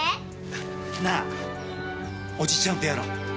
なあおじちゃんとやろう。